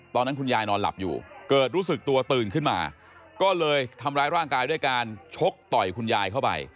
ตอนนั้นคุณยายนอนหลับอยู่เกิดรู้สึกตัวตื่นขึ้นมาก็เลยทำร้ายร่างกายด้วยการชกต่อยคุณยายเข้าไป